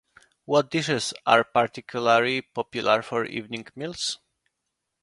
What dishes are particularly popular for evening meals?